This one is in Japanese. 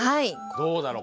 どうだろう？